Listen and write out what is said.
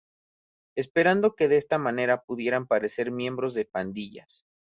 Esperando que de esta manera pudieran parecer miembros de pandillas.